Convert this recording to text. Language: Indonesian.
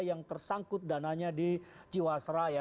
yang tersangkut dananya di jiwasraya